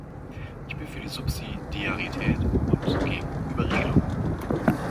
Ich bin für die Subsidiarität und gegen Überregelung.